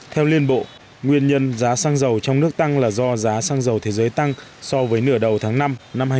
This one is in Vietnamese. theo liên bộ nguyên nhân giá xăng dầu trong nước tăng là do giá xăng dầu thế giới tăng so với nửa đầu tháng năm năm hai nghìn hai mươi ba